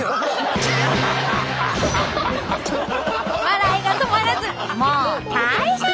笑いが止まらずもう大変！